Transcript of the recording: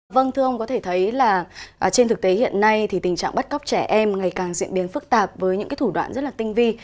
vâng thưa ông có thể thấy là trên thực tế hiện nay thì tình trạng bắt cóc trẻ em ngày càng diễn biến phức tạp với những thủ đoạn rất là tinh vi